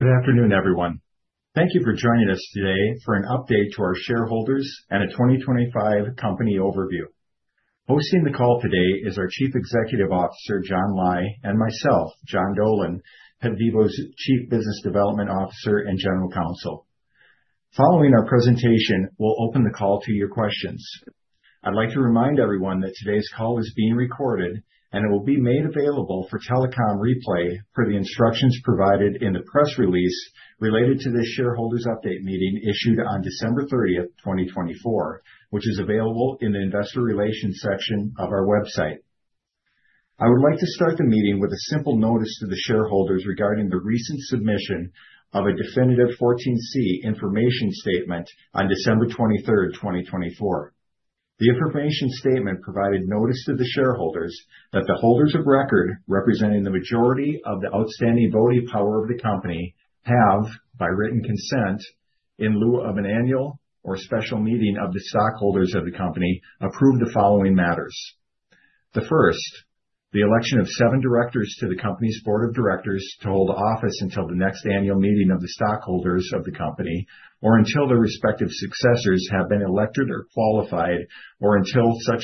Good afternoon, everyone. Thank you for joining us today for an update to our shareholders and a 2025 company overview. Hosting the call today is our Chief Executive Officer, John Lai, and myself, John Dolan, PetVivo's Chief Business Development Officer and General Counsel. Following our presentation, we'll open the call to your questions. I'd like to remind everyone that today's call is being recorded, and it will be made available for telecom replay for the instructions provided in the press release related to this shareholders' update meeting issued on December 30, 2024, which is available in the investor relations section of our website. I would like to start the meeting with a simple notice to the shareholders regarding the recent submission of a definitive 14(c) information statement on December 23rd, 2024. The information statement provided notice to the shareholders that the holders of record, representing the majority of the outstanding voting power of the company, have, by written consent, in lieu of an annual or special meeting of the stockholders of the company, approved the following matters. The first, the election of seven directors to the company's board of directors to hold office until the next annual meeting of the stockholders of the company or until their respective successors have been elected or qualified, or until such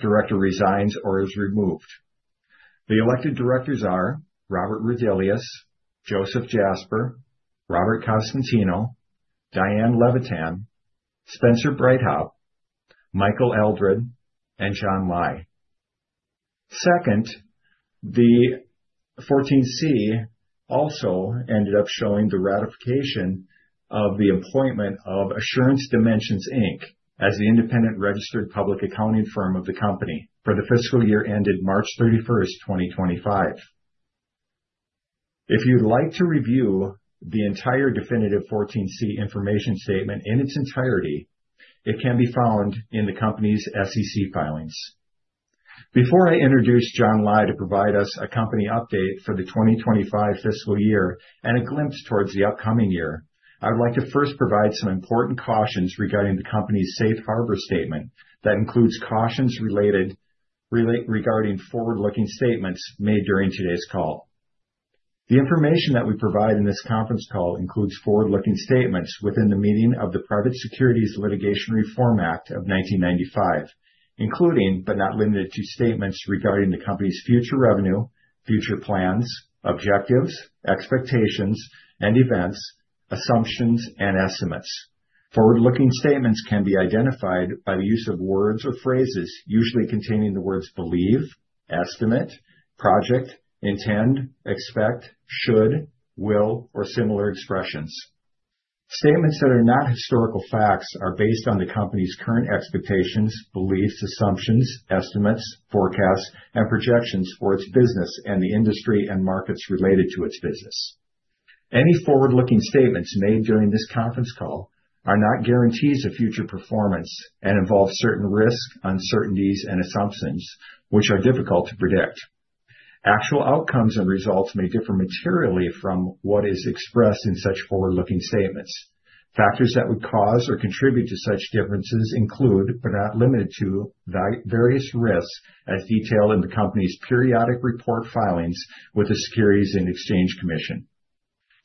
director resigns or is removed. The elected directors are Robert Rhodelius, Joseph Jasper, Robert Costantino, Diane Levitan, Spencer Breithaupt, Michael Eldred, and John Lai. Second, the 14(c) also ended up showing the ratification of the appointment of Assurance Dimensions, Inc., as the independent registered public accounting firm of the company for the fiscal year ended March 31, 2025. If you'd like to review the entire definitive 14(c) information statement in its entirety, it can be found in the company's SEC filings. Before I introduce John Lai to provide us a company update for the 2025 fiscal year and a glimpse towards the upcoming year, I would like to first provide some important cautions regarding the company's safe harbor statement that includes cautions regarding forward-looking statements made during today's call. The information that we provide in this conference call includes forward-looking statements within the meaning of the Private Securities Litigation Reform Act of 1995, including but not limited to statements regarding the company's future revenue, future plans, objectives, expectations, and events, assumptions, and estimates. Forward-looking statements can be identified by the use of words or phrases usually containing the words believe, estimate, project, intend, expect, should, will, or similar expressions. Statements that are not historical facts are based on the company's current expectations, beliefs, assumptions, estimates, forecasts, and projections for its business and the industry and markets related to its business. Any forward-looking statements made during this conference call are not guarantees of future performance and involve certain risks, uncertainties, and assumptions, which are difficult to predict. Actual outcomes and results may differ materially from what is expressed in such forward-looking statements. Factors that would cause or contribute to such differences include, but are not limited to, various risks as detailed in the company's periodic report filings with the Securities and Exchange Commission.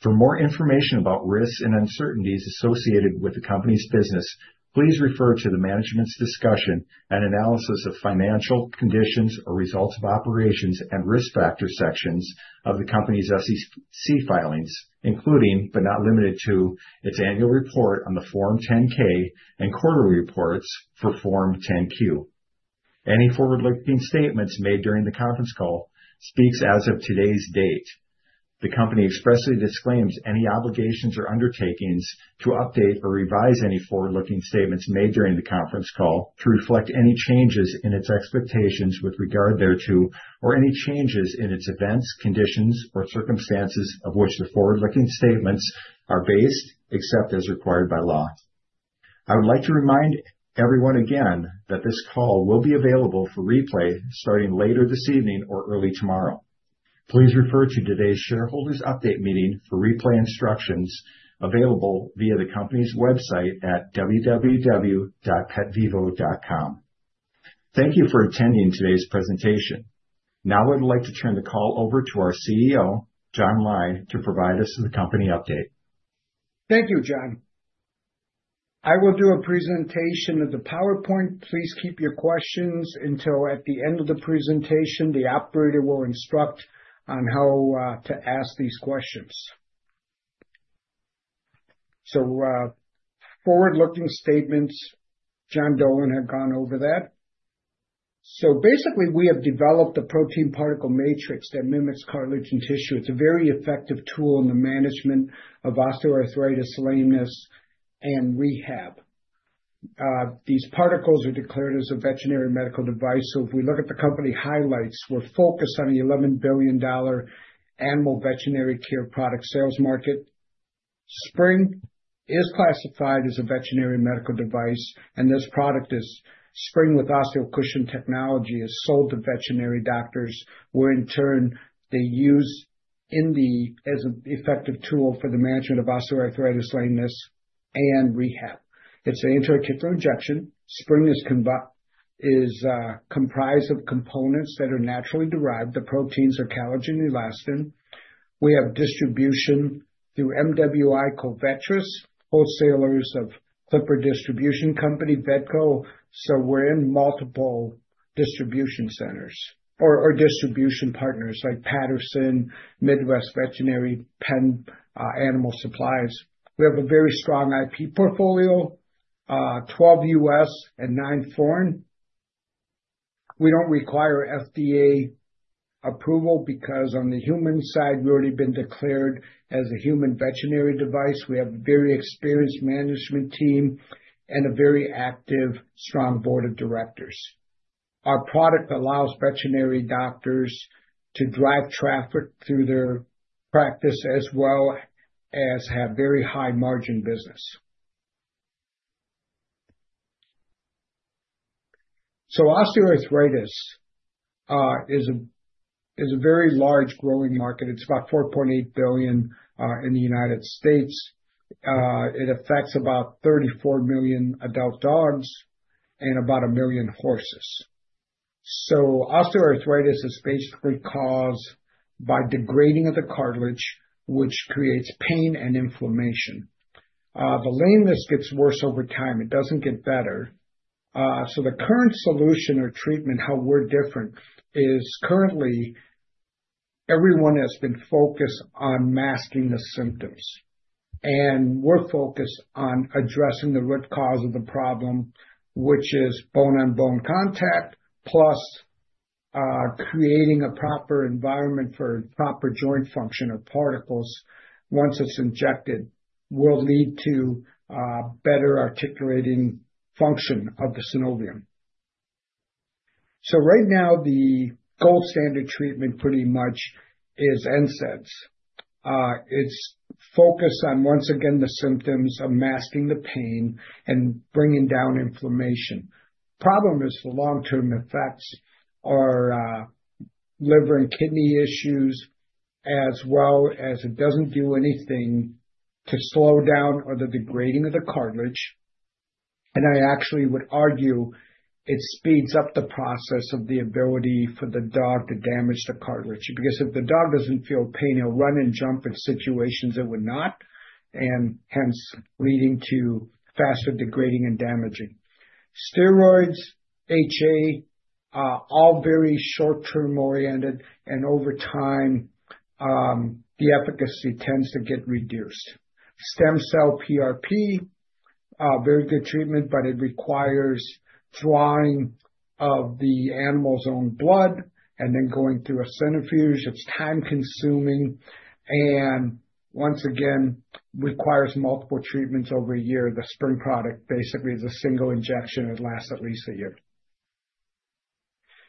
For more information about risks and uncertainties associated with the company's business, please refer to the management's discussion and analysis of financial conditions or results of operations and risk factor sections of the company's SEC filings, including but not limited to its annual report on the Form 10-K and quarterly reports for Form 10-Q. Any forward-looking statements made during the conference call speaks as of today's date. The company expressly disclaims any obligations or undertakings to update or revise any forward-looking statements made during the conference call to reflect any changes in its expectations with regard thereto or any changes in its events, conditions, or circumstances of which the forward-looking statements are based, except as required by law. I would like to remind everyone again that this call will be available for replay starting later this evening or early tomorrow. Please refer to today's shareholders' update meeting for replay instructions available via the company's website at www.petvivo.com. Thank you for attending today's presentation. Now I'd like to turn the call over to our CEO, John Lai, to provide us with the company update. Thank you, John. I will do a presentation of the PowerPoint. Please keep your questions until at the end of the presentation. The operator will instruct on how to ask these questions. So forward-looking statements, John Dolan had gone over that. So basically, we have developed a protein particle matrix that mimics cartilage and tissue. It's a very effective tool in the management of osteoarthritis, lameness, and rehab. These particles are declared as a veterinary medical device. So if we look at the company highlights, we're focused on the $11 billion animal veterinary care product sales market. Spryng is classified as a veterinary medical device, and this product is Spryng with OsteoCushion technology is sold to veterinary doctors, where in turn they use it as an effective tool for the management of osteoarthritis, lameness, and rehab. It's an intra-articular injection. Spryng is comprised of components that are naturally derived. The proteins are collagen and elastin. We have distribution through MWI, Covetrus, wholesalers of Clipper Distributing Company, Vedco. So we're in multiple distribution centers or distribution partners like Patterson, Midwest Veterinary, Penn Animal Supplies. We have a very strong IP portfolio, 12 U.S. and nine foreign. We don't require FDA approval because on the human side, we've already been declared as a human veterinary device. We have a very experienced management team and a very active, strong board of directors. Our product allows veterinary doctors to drive traffic through their practice as well as have very high margin business. So osteoarthritis is a very large growing market. It's about $4.8 billion in the United States. It affects about 34 million adult dogs and about 1 million horses. So osteoarthritis is basically caused by degrading of the cartilage, which creates pain and inflammation. The lameness gets worse over time. It doesn't get better, so the current solution or treatment, how we're different, is currently everyone has been focused on masking the symptoms, and we're focused on addressing the root cause of the problem, which is bone-on-bone contact plus creating a proper environment for proper joint function of particles once it's injected will lead to better articulating function of the synovium, so right now, the gold standard treatment pretty much is NSAIDs. It's focused on, once again, the symptoms of masking the pain and bringing down inflammation. The problem is the long-term effects are liver and kidney issues, as well as it doesn't do anything to slow down the degrading of the cartilage. I actually would argue it speeds up the process of the ability for the dog to damage the cartilage because if the dog doesn't feel pain, he'll run and jump in situations it would not, and hence leading to faster degrading and damaging. Steroids, HA, all very short-term oriented, and over time, the efficacy tends to get reduced. Stem cell PRP, very good treatment, but it requires drawing of the animal's own blood and then going through a centrifuge. It's time-consuming and, once again, requires multiple treatments over a year. The Spryng product basically is a single injection. It lasts at least a year.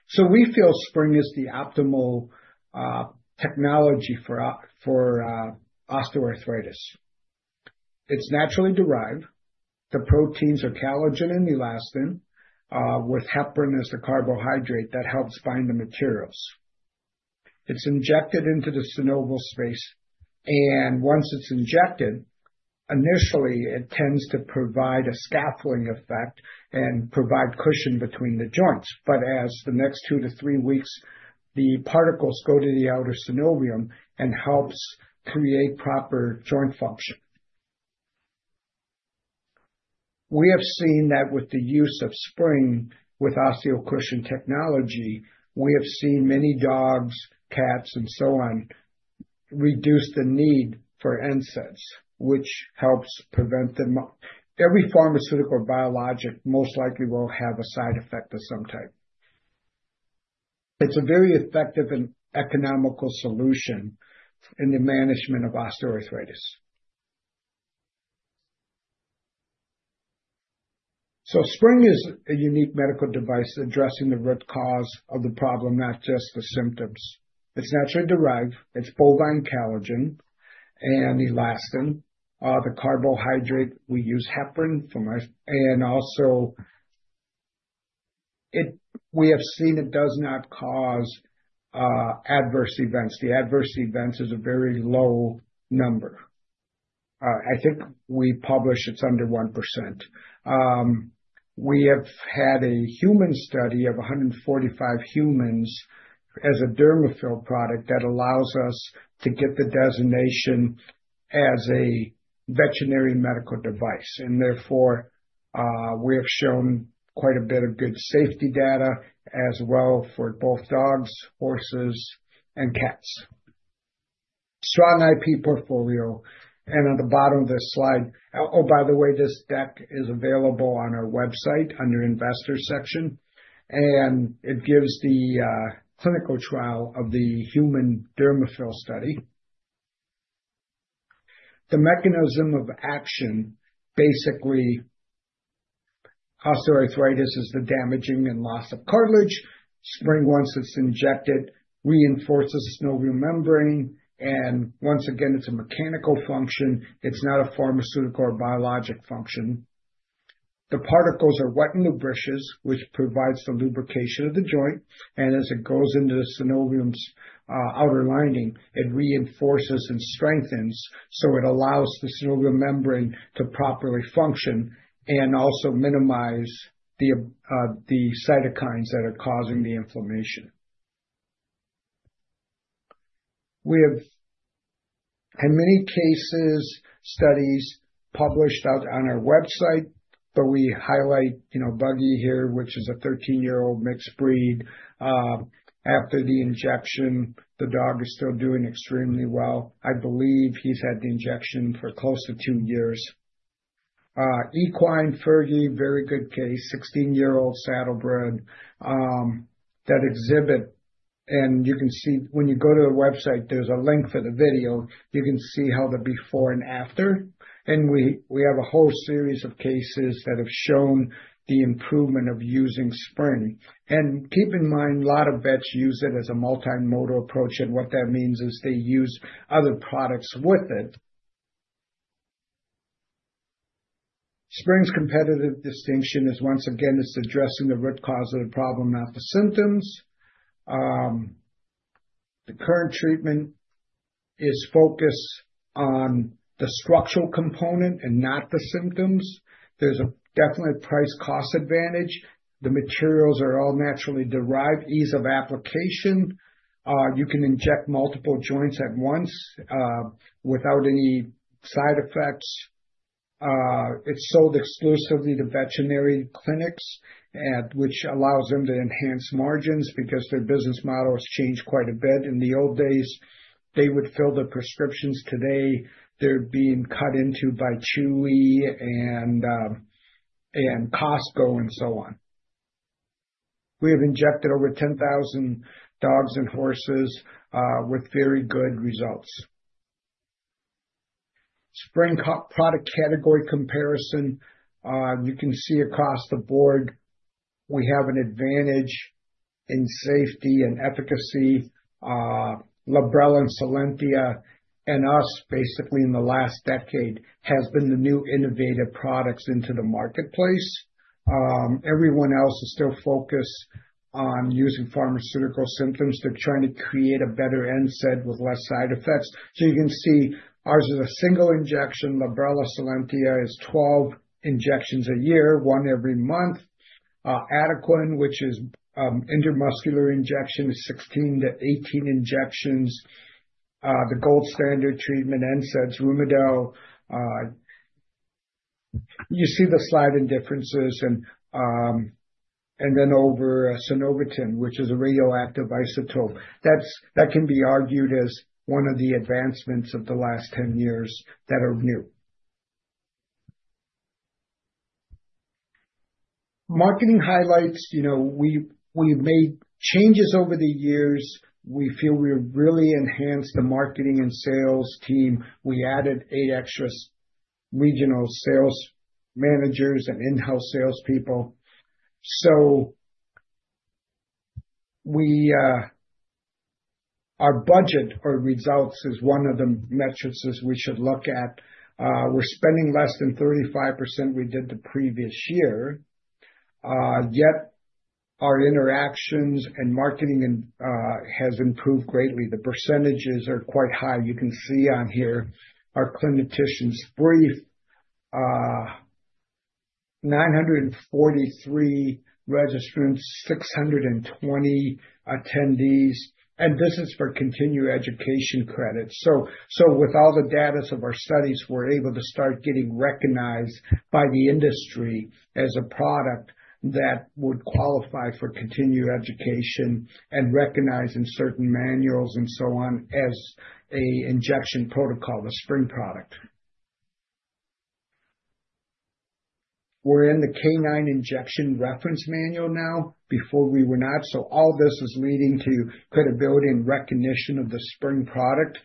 So we feel Spryng is the optimal technology for osteoarthritis. It's naturally derived. The proteins are collagen and elastin with heparin as the carbohydrate that helps bind the materials. It's injected into the synovial space, and once it's injected, initially, it tends to provide a scaffolding effect and provide cushion between the joints. But as the next two to three weeks, the particles go to the outer synovium and help create proper joint function. We have seen that with the use of Spryng with OsteoCushion technology, we have seen many dogs, cats, and so on reduce the need for NSAIDs, which helps prevent them. Every pharmaceutical or biologic most likely will have a side effect of some type. It's a very effective and economical solution in the management of osteoarthritis. So Spryng is a unique medical device addressing the root cause of the problem, not just the symptoms. It's naturally derived. It's bovine collagen and elastin, the carbohydrate. We use heparin from. And also, we have seen it does not cause adverse events. The adverse events is a very low number. I think we publish it's under 1%. We have had a human study of 145 humans as a DermaFill product that allows us to get the designation as a veterinary medical device, and therefore, we have shown quite a bit of good safety data as well for both dogs, horses, and cats. Strong IP portfolio, and at the bottom of this slide, oh, by the way, this deck is available on our website under investor section, and it gives the clinical trial of the human DermaFill study. The mechanism of action, basically, osteoarthritis is the damaging and loss of cartilage. Spryng, once it's injected, reinforces the synovial membrane, and once again, it's a mechanical function. It's not a pharmaceutical or biologic function. The particles are wet and lubricious, which provides the lubrication of the joint. As it goes into the synovium's outer lining, it reinforces and strengthens. So it allows the synovial membrane to properly function and also minimize the cytokines that are causing the inflammation. We have, in many cases, studies published out on our website, but we highlight, you know, Buggy here, which is a 13-year-old mixed breed. After the injection, the dog is still doing extremely well. I believe he's had the injection for close to two years. Equine, Fergie, very good case, 16-year-old saddlebred that exhibit—and you can see when you go to the website, there's a link for the video. You can see how the before and after. And we have a whole series of cases that have shown the improvement of using Spryng. And keep in mind, a lot of vets use it as a multimodal approach. And what that means is they use other products with it. Spryng's competitive distinction is, once again, it's addressing the root cause of the problem, not the symptoms. The current treatment is focused on the structural component and not the symptoms. There's definitely a price-cost advantage. The materials are all naturally derived. Ease of application. You can inject multiple joints at once without any side effects. It's sold exclusively to veterinary clinics, which allows them to enhance margins because their business model has changed quite a bit. In the old days, they would fill the prescriptions. Today, they're being cut into by Chewy and Costco and so on. We have injected over 10,000 dogs and horses with very good results. Spryng product category comparison. You can see across the board, we have an advantage in safety and efficacy. Librela and Solensia and us, basically in the last decade, have been the new innovative products into the marketplace. Everyone else is still focused on using pharmaceutical solutions. They're trying to create a better NSAID with less side effects. You can see ours is a single injection. Librela, Solensia is 12 injections a year, one every month. Adequan, which is an intramuscular injection, is 16-18 injections. The gold standard treatment, NSAIDs, Rimadyl. You see the differences in the slide. Then over Synovetin, which is a radioactive isotope, that can be argued as one of the advancements of the last 10 years that are new. Marketing highlights. We've made changes over the years. We feel we have really enhanced the marketing and sales team. We added eight extra regional sales managers and in-house salespeople. Our budget or results is one of the metrics we should look at. We're spending less than 35% we did the previous year. Yet our interactions and marketing has improved greatly. The percentages are quite high. You can see on here our Clinician's Brief: 943 registrants, 620 attendees and this is for continued education credits, so with all the data of our studies, we're able to start getting recognized by the industry as a product that would qualify for continued education and recognized in certain manuals and so on as an injection protocol, the Spryng product. We're in the Canine injection reference manual now. Before, we were not, so all this is leading to credibility and recognition of the Spryng product.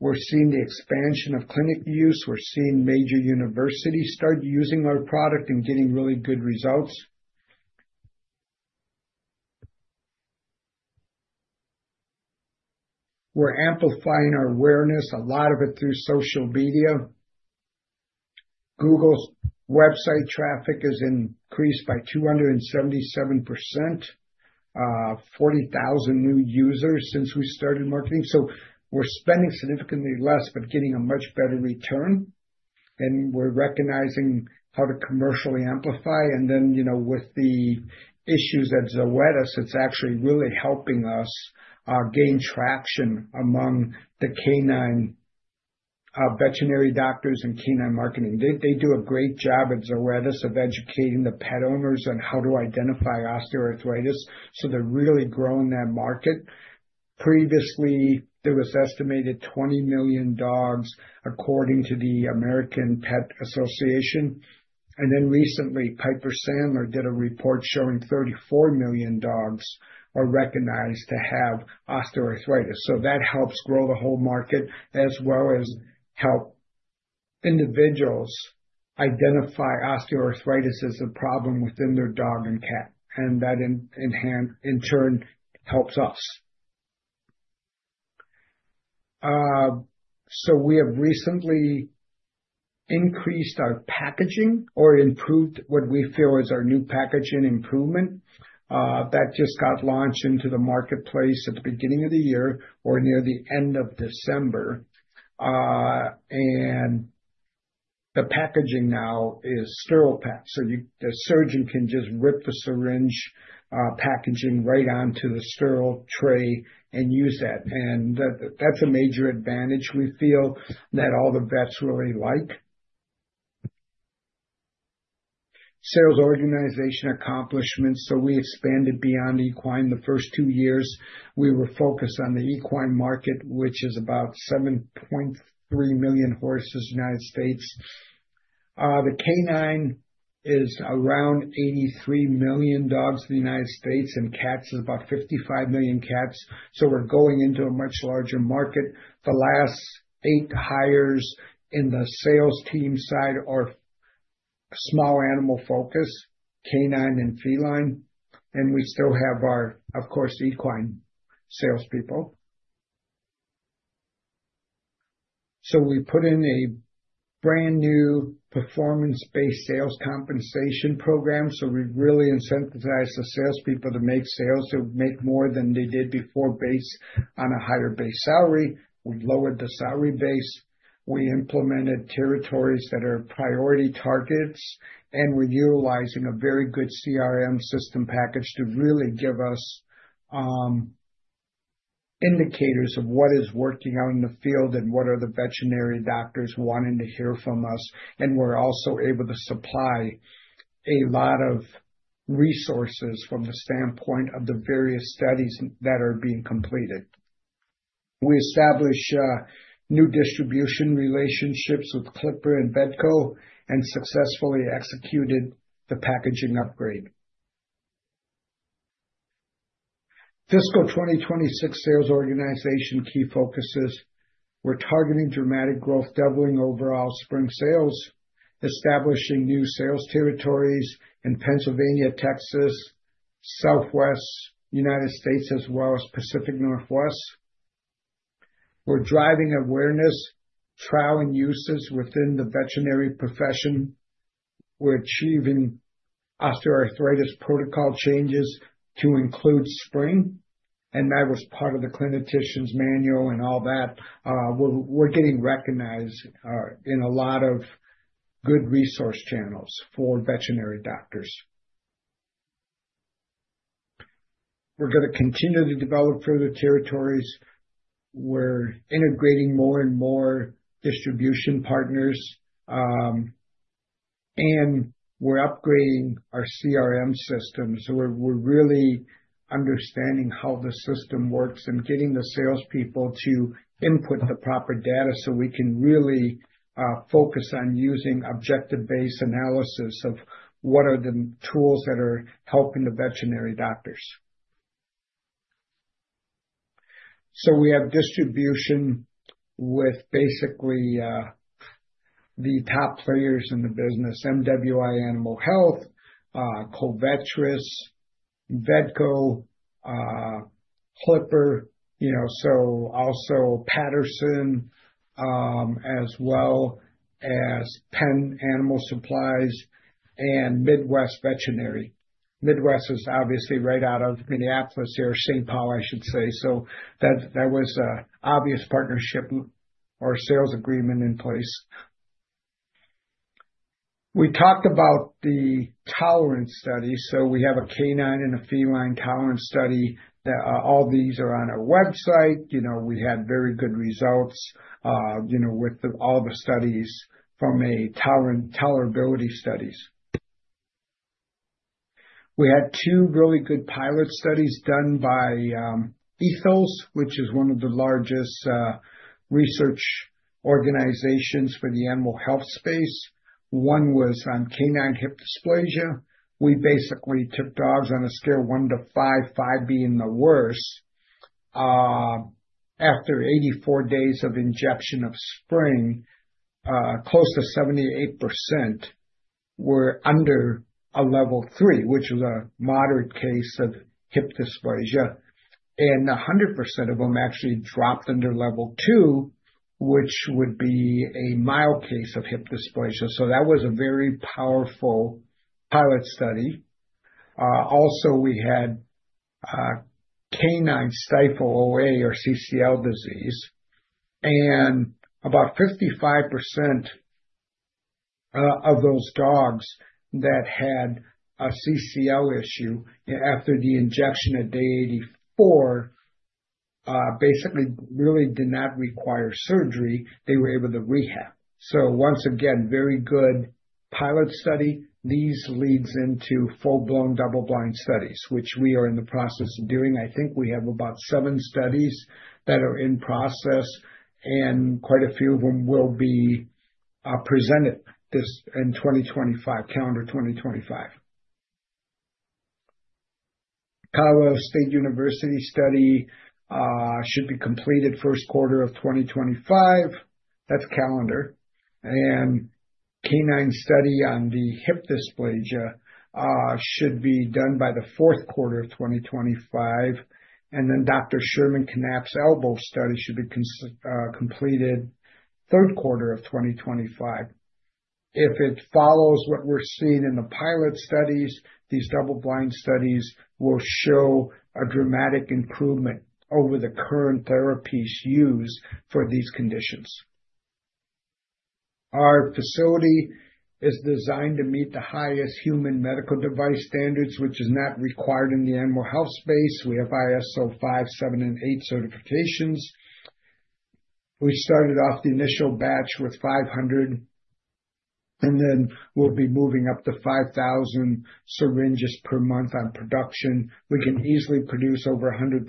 We're seeing the expansion of clinic use. We're seeing major universities start using our product and getting really good results. We're amplifying our awareness, a lot of it through social media. Google's website traffic has increased by 277%, 40,000 new users since we started marketing, so we're spending significantly less, but getting a much better return. We're recognizing how to commercially amplify. Then with the issues at Zoetis, it's actually really helping us gain traction among the canine veterinary doctors and canine marketing. They do a great job at Zoetis of educating the pet owners on how to identify osteoarthritis, so they're really growing that market. Previously, there was estimated 20 million dogs, according to the American Pet Association. Then recently, Piper Sandler did a report showing 34 million dogs are recognized to have osteoarthritis, so that helps grow the whole market as well as help individuals identify osteoarthritis as a problem within their dog and cat, and that, in turn, helps us. We have recently increased our packaging or improved what we feel is our new packaging improvement. That just got launched into the marketplace at the beginning of the year or near the end of December. The packaging now is sterile packs. The surgeon can just rip the syringe packaging right onto the sterile tray and use that. That's a major advantage we feel that all the vets really like. Sales Organization Accomplishments. We expanded beyond equine the first two years. We were focused on the equine market, which is about 7.3 million horses in the United States. The canine is around 83 million dogs in the United States, and cats is about 55 million cats. We're going into a much larger market. The last eight hires in the sales team side are small animal focus, canine and feline. We still have our, of course, equine salespeople. We put in a brand new performance-based sales compensation program. So we really incentivize the salespeople to make sales that would make more than they did before based on a higher base salary. We lowered the salary base. We implemented territories that are priority targets, and we're utilizing a very good CRM system package to really give us indicators of what is working out in the field and what are the veterinary doctors wanting to hear from us. And we're also able to supply a lot of resources from the standpoint of the various studies that are being completed. We established new distribution relationships with Clipper and Vedco and successfully executed the packaging upgrade. Fiscal 2026 sales organization key focuses. We're targeting dramatic growth, doubling overall Spryng sales, establishing new sales territories in Pennsylvania, Texas, Southwest, United States, as well as Pacific Northwest. We're driving awareness, trial and uses within the veterinary profession. We're achieving osteoarthritis protocol changes to include Spryng, and that was part of the clinician's manual and all that. We're getting recognized in a lot of good resource channels for veterinary doctors. We're going to continue to develop further territories. We're integrating more and more distribution partners, and we're upgrading our CRM system, so we're really understanding how the system works and getting the salespeople to input the proper data so we can really focus on using objective-based analysis of what are the tools that are helping the veterinary doctors, so we have distribution with basically the top players in the business: MWI Animal Health, Covetrus, Vedco, Clipper, so also Patterson, as well as Penn Animal Supplies, and Midwest Veterinary. Midwest is obviously right out of Minneapolis or St. Paul, I should say, so that was an obvious partnership or sales agreement in place. We talked about the tolerance study. We have a canine and a feline tolerance study. All these are on our website. We had very good results with all the studies from tolerability studies. We had two really good pilot studies done by Ethos, which is one of the largest research organizations for the animal health space. One was on canine hip dysplasia. We basically took dogs on a scale of one to five, five being the worst. After 84 days of injection of Spryng, close to 78% were under a level three, which was a moderate case of hip dysplasia. And 100% of them actually dropped under level two, which would be a mild case of hip dysplasia. So that was a very powerful pilot study. Also, we had canine stifle OA or CCL disease. About 55% of those dogs that had a CCL issue after the injection at day 84 basically really did not require surgery. They were able to rehab. So once again, very good pilot study. These leads into full-blown double-blind studies, which we are in the process of doing. I think we have about seven studies that are in process, and quite a few of them will be presented in 2025, calendar 2025. Colorado State University study should be completed first quarter of 2025. That's calendar. And canine study on the hip dysplasia should be done by the fourth quarter of 2025. And then Dr. Sherman Canapp's elbow study should be completed third quarter of 2025. If it follows what we're seeing in the pilot studies, these double-blind studies will show a dramatic improvement over the current therapies used for these conditions. Our facility is designed to meet the highest human medical device standards, which is not required in the animal health space. We have ISO 5, 7, and 8 certifications. We started off the initial batch with 500, and then we'll be moving up to 5,000 syringes per month on production. We can easily produce over 100,000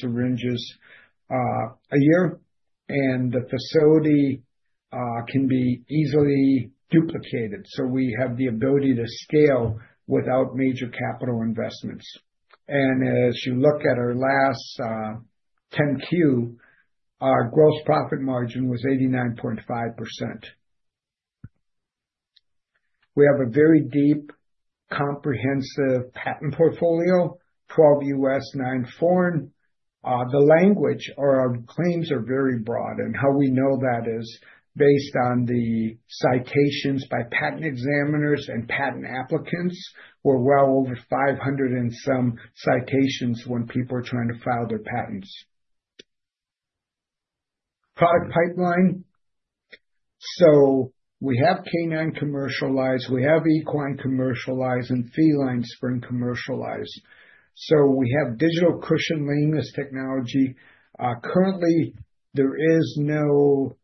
syringes a year. And the facility can be easily duplicated. So we have the ability to scale without major capital investments. And as you look at our last 10-Q, our gross profit margin was 89.5%. We have a very deep, comprehensive patent portfolio, 12 U.S., 9 foreign. The language or our claims are very broad. And how we know that is based on the citations by patent examiners and patent applicants. We're well over 500 and some citations when people are trying to file their patents. Product pipeline. So we have canine commercialized. We have equine commercialized and feline Spryng commercialized, so we have digital cushion lameness technology. Currently, there is no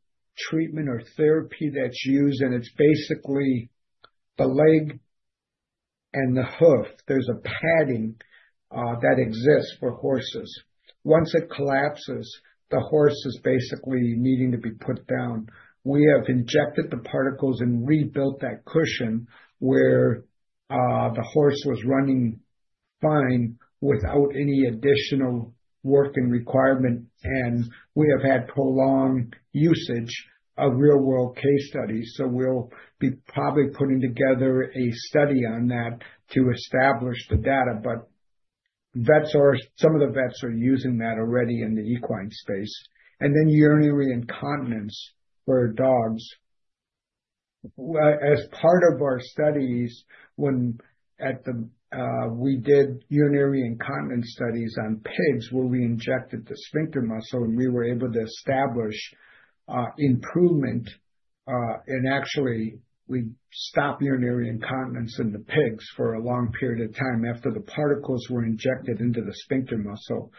treatment or therapy that's used, and it's basically the leg and the hoof. There's a padding that exists for horses. Once it collapses, the horse is basically needing to be put down. We have injected the particles and rebuilt that cushion where the horse was running fine without any additional work and requirement, and we have had prolonged usage of real-world case studies, so we'll be probably putting together a study on that to establish the data, but some of the vets are using that already in the equine space, and then urinary incontinence for dogs. As part of our studies, when we did urinary incontinence studies on pigs where we injected the sphincter muscle, and we were able to establish improvement. Actually, we stopped urinary incontinence in the pigs for a long period of time after the particles were injected into the sphincter muscle.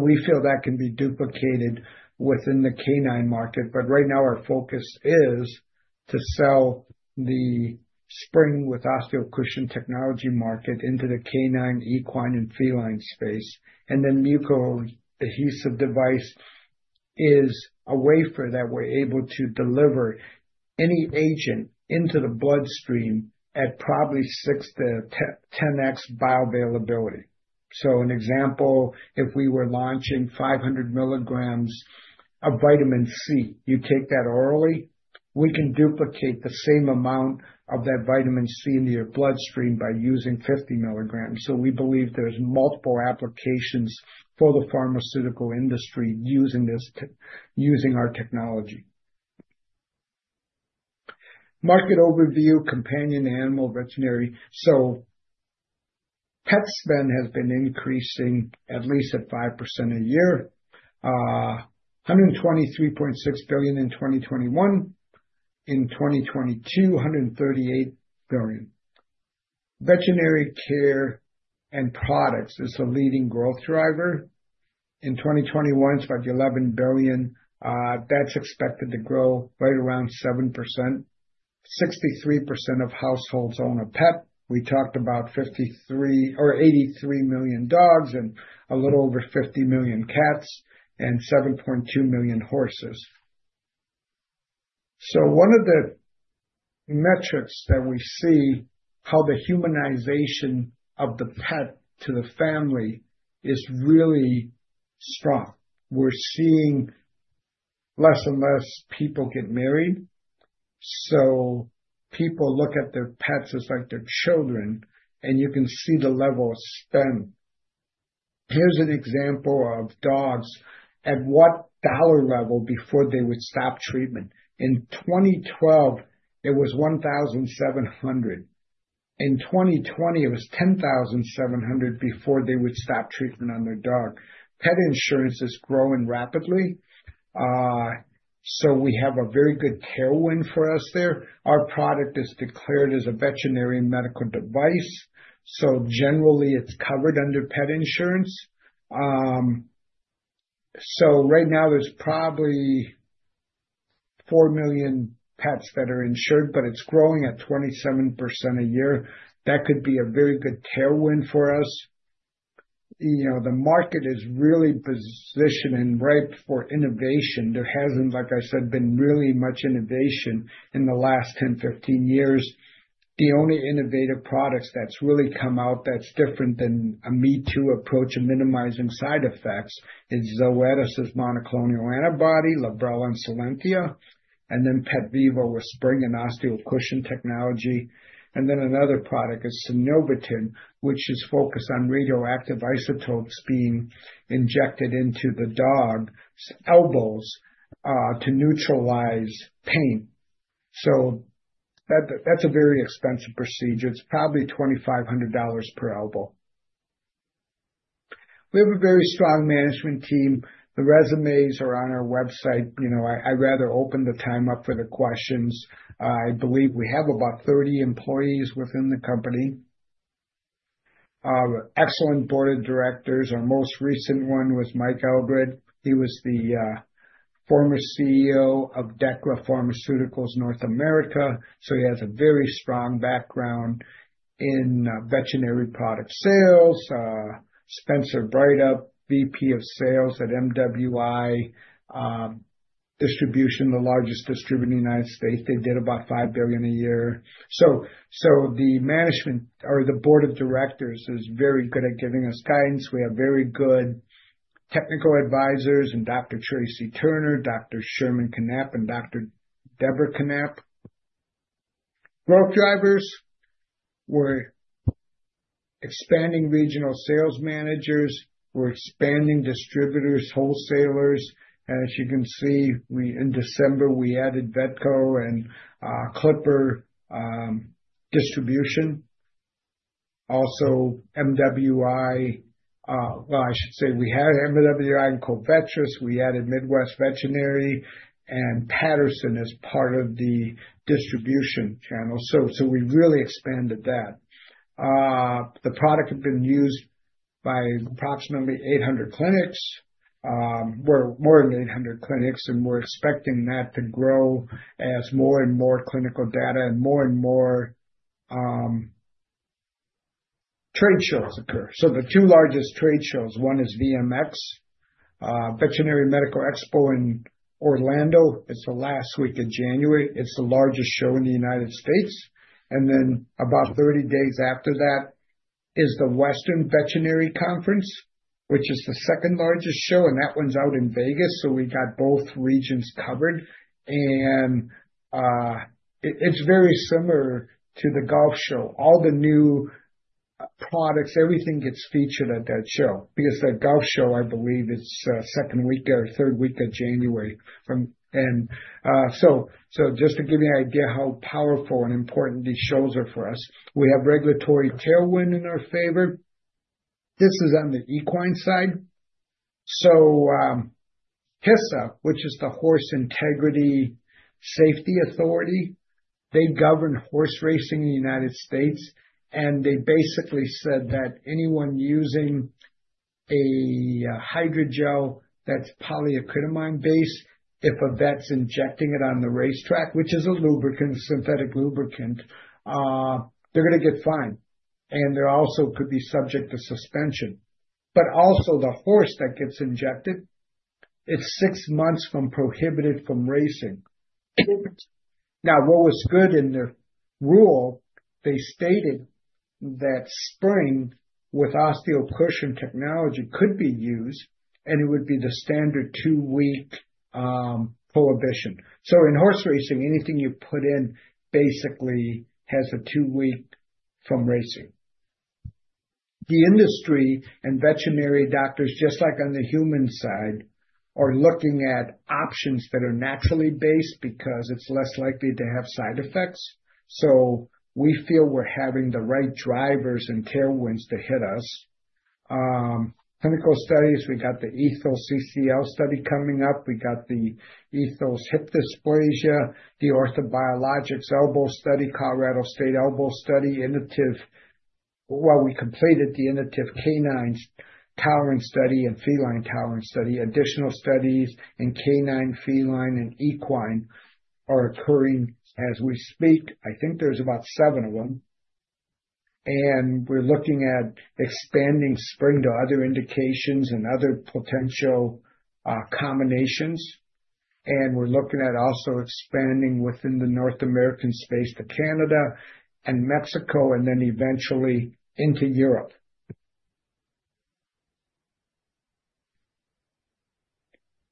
We feel that can be duplicated within the canine market. Right now, our focus is to sell the Spryng with OsteoCushion technology market into the canine, equine, and feline space. Mucoadhesive device is a way for that we're able to deliver any agent into the bloodstream at probably 6-10x bioavailability. An example, if we were launching 500 milligrams of vitamin C, you take that orally, we can duplicate the same amount of that vitamin C into your bloodstream by using 50 milligrams. We believe there's multiple applications for the pharmaceutical industry using our technology. Market overview, companion animal veterinary. Pet spend has been increasing at least at 5% a year, $123.6 billion in 2021. In 2022, $138 billion. Veterinary care and products is a leading growth driver. In 2021, it's about $11 billion. That's expected to grow right around 7%. 63% of households own a pet. We talked about 83 million dogs and a little over 50 million cats and 7.2 million horses. So one of the metrics that we see how the humanization of the pet to the family is really strong. We're seeing less and less people get married. So people look at their pets as like their children, and you can see the level of spend. Here's an example of dogs at what dollar level before they would stop treatment. In 2012, it was $1,700. In 2020, it was $10,700 before they would stop treatment on their dog. Pet insurance is growing rapidly. So we have a very good tailwind for us there. Our product is declared as a veterinary medical device. So generally, it's covered under pet insurance. So right now, there's probably 4 million pets that are insured, but it's growing at 27% a year. That could be a very good tailwind for us. The market is really positioning right for innovation. There hasn't, like I said, been really much innovation in the last 10-15 years. The only innovative products that's really come out that's different than a me-too approach of minimizing side effects is Zoetis's monoclonal antibody, Librela and Solensia, and then PetVivo with Spryng with OsteoCushion technology. And then another product is Synovetin, which is focused on radioactive isotopes being injected into the dog's elbows to neutralize pain. So that's a very expensive procedure. It's probably $2,500 per elbow. We have a very strong management team. The resumes are on our website. I'd rather open the time up for the questions. I believe we have about 30 employees within the company. Excellent board of directors. Our most recent one was Mike Eldred. He was the former CEO of Dechra Pharmaceuticals North America, so he has a very strong background in veterinary product sales. Spencer Breithaupt, VP of sales at MWI, the largest distributor in the United States. They did about $5 billion a year, so the management or the board of directors is very good at giving us guidance. We have very good technical advisors in Dr. Tracy Turner, Dr. Sherman Canapp, and Dr. Deborah Knapp. Growth drivers. We're expanding regional sales managers. We're expanding distributors, wholesalers. As you can see, in December, we added Vedco and Clipper Distributing. Also, MWI, well, I should say we had MWI and Covetrus. We added Midwest Veterinary and Patterson as part of the distribution channel. We really expanded that. The product had been used by approximately 800 clinics. We're more than 800 clinics, and we're expecting that to grow as more and more clinical data and more and more trade shows occur. The two largest trade shows, one is VMX, Veterinary Medical Expo in Orlando. It's the last week of January. It's the largest show in the United States. Then about 30 days after that is the Western Veterinary Conference, which is the second largest show. And that one's out in Vegas. We got both regions covered. It's very similar to the Golf Show. All the new products, everything gets featured at that show. Because the Golf Show, I believe, it's second week or third week of January. Just to give you an idea how powerful and important these shows are for us, we have regulatory tailwind in our favor. This is on the equine side. HISA, which is the Horseracing Integrity and Safety Authority, governs horse racing in the United States. They basically said that anyone using a hydrogel that's polyacrylamide-based, if a vet's injecting it on the racetrack, which is a synthetic lubricant, is going to get fined. They also could be subject to suspension. The horse that gets injected is six months prohibited from racing. What was good in their rule is that they stated that Spryng with OsteoCushion technology could be used, and it would be the standard two-week prohibition. In horse racing, anything you put in basically has a two-week prohibition from racing. The industry and veterinary doctors, just like on the human side, are looking at options that are naturally based because it's less likely to have side effects. So we feel we're having the right drivers and tailwinds to hit us. Clinical studies, we got the Ethos CCL study coming up. We got the Ethos hip dysplasia, the orthobiologics elbow study, Colorado State elbow study, Inotiv. Well, we completed the Inotiv canine tolerance study and feline tolerance study. Additional studies in canine, feline, and equine are occurring as we speak. I think there's about seven of them. And we're looking at expanding Spryng to other indications and other potential combinations. And we're looking at also expanding within the North American space to Canada and Mexico, and then eventually into Europe.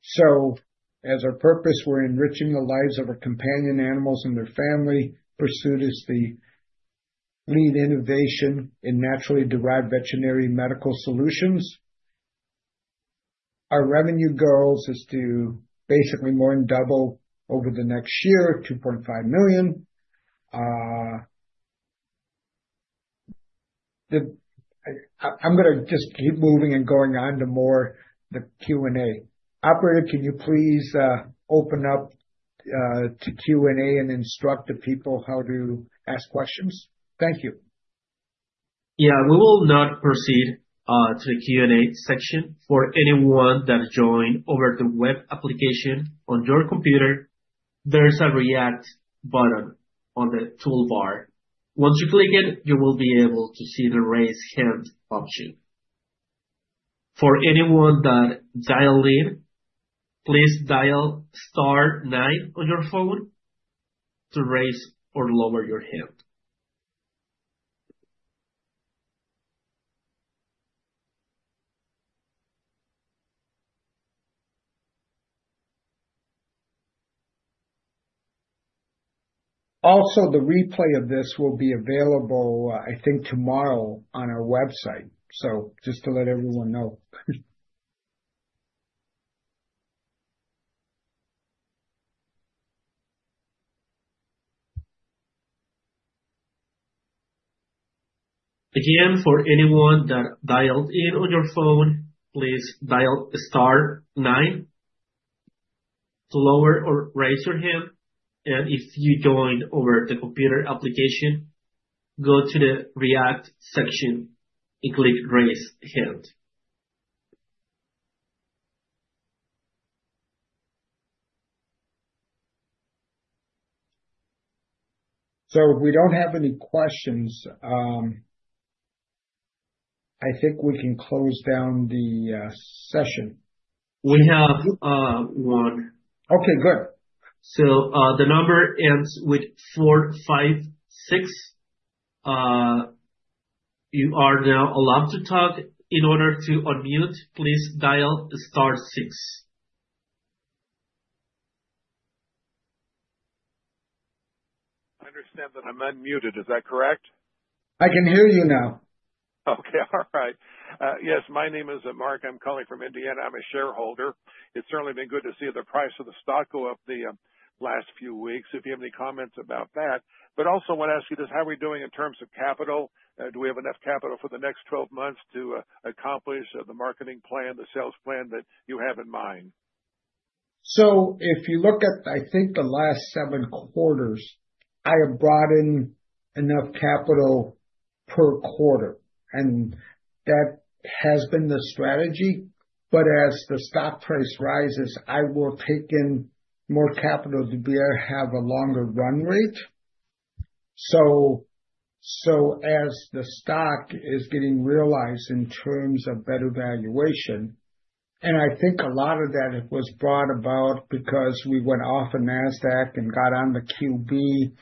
So as our purpose, we're enriching the lives of our companion animals and their family. PetVivo is the leading innovation in naturally derived veterinary medical solutions. Our revenue goals is to basically more than double over the next year, $2.5 million. I'm going to just keep moving and going on to the Q&A. Operator, can you please open up to Q&A and instruct the people how to ask questions? Thank you. Yeah. We will now proceed to the Q&A section. For anyone that joined over the web application on your computer, there's a raise button on the toolbar. Once you click it, you will be able to see the raise hand option. For anyone that dialed in, please dial star nine on your phone to raise or lower your hand. Also, the replay of this will be available, I think, tomorrow on our website. So just to let everyone know. Again, for anyone that dialed in on your phone, please dial star nine to lower or raise your hand, and if you joined over the computer application, go to the React section and click raise hand. If we don't have any questions, I think we can close down the session. We have one. Okay. Good. The number ends with 456. You are now allowed to talk. In order to unmute, please dial star six. I understand that I'm unmuted. Is that correct? I can hear you now. Okay. All right. Yes. My name is Mark. I'm calling from Indiana. I'm a shareholder. It's certainly been good to see the price of the stock go up the last few weeks. If you have any comments about that? But also, I want to ask you this. How are we doing in terms of capital? Do we have enough capital for the next 12 months to accomplish the marketing plan, the sales plan that you have in mind? If you look at, I think, the last seven quarters, I have brought in enough capital per quarter. And that has been the strategy. But as the stock price rises, I will take in more capital to have a longer run rate. As the stock is getting realized in terms of better valuation, and I think a lot of that was brought about because we went off of NASDAQ and got on the QB,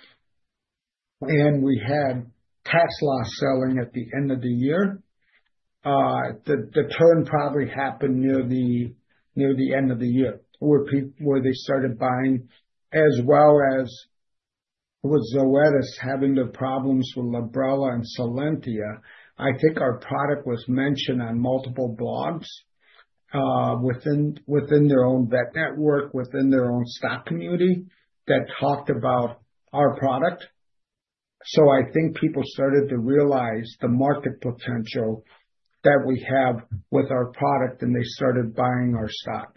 and we had tax loss selling at the end of the year. The turn probably happened near the end of the year where they started buying, as well as with Zoetis having their problems with Librela and Solensia. I think our product was mentioned on multiple blogs within their own vet network, within their own stock community that talked about our product, so I think people started to realize the market potential that we have with our product, and they started buying our stock.